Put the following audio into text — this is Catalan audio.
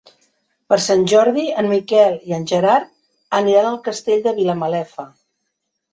Per Sant Jordi en Miquel i en Gerard aniran al Castell de Vilamalefa.